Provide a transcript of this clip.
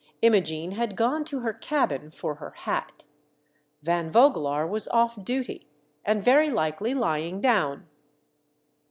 Imogene had gone to her cabin for her hat. Van Vogelaar was off duty, and very likely lying down.